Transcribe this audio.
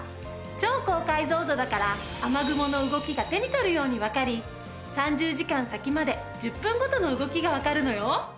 超高解像度だから雨雲の動きが手に取るようにわかり３０時間先まで１０分ごとの動きがわかるのよ。